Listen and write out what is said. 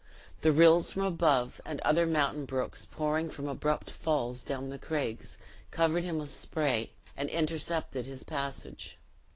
The rills from above, and other mountain brooks, pouring from abrupt falls down the craigs, covered him with spray, and intercepted his passage.